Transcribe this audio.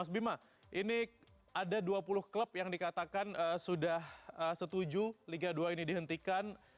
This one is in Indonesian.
mas bima ini ada dua puluh klub yang dikatakan sudah setuju liga dua ini dihentikan